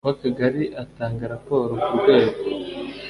w Akagari atanga raporo ku rwego